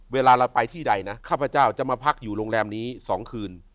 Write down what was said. เวลาเราไปที่ใดนะข้าพเจ้าจะมาพักอยู่โรงแรมนี้๒คืน